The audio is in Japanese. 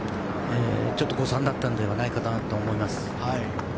誤算だったのではないかと思います。